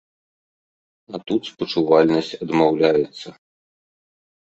А тут спачувальнасць адмаўляецца.